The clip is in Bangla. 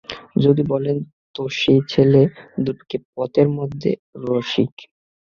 যদি বলেন তো সেই ছেলে দুটোকে পথের মধ্যে– রসিক।